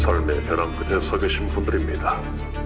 setelah mendeteksi ada seorang pasien n inisialnya terkonformasi omikron